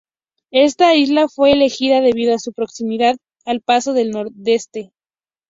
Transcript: Esta isla fue elegida debido a su proximidad al paso del Nordeste.